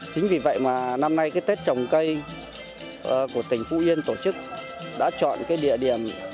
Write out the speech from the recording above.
chính vì vậy mà năm nay tết trồng cây của tỉnh phú yên tổ chức đã chọn địa điểm